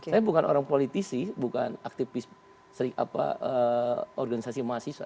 saya bukan orang politisi bukan aktivis organisasi mahasiswa